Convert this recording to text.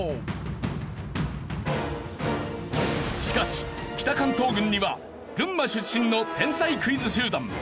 しかし北関東軍には群馬出身の天才クイズ集団。